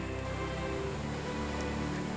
terima kasih ibu bunda